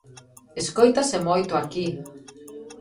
Escóitase moito aquí.